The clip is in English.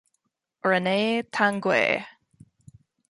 Rene Tanguay.